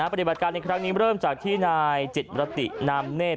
ปฏิบัติการในครั้งนี้เริ่มจากที่นายจิตรตินามเนธ